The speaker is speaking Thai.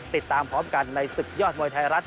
ติดตามพร้อมกันในศึกยอดมวยไทยรัฐ